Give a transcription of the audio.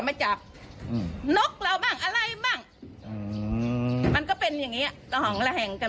จะมาจับนกเราบ้างอะไรบ้างมันก็เป็นอย่างนี้ห่องระแห่งกัน